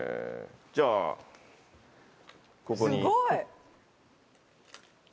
じゃあここに。